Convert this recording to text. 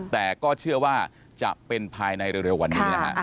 แต่ก็เชื่อว่าจะเป็นภายในเร็ววันนี้นะฮะ